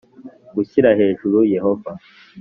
gushyira hejuru yehova